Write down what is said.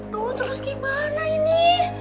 lu terus gimana ini